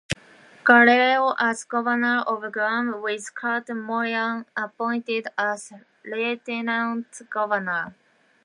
Guerrero as governor of Guam, with Kurt Moylan appointed as lieutenant governor.